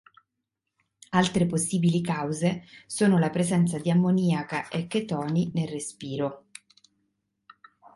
Altre possibili cause sono la presenza di ammoniaca e chetoni nel respiro.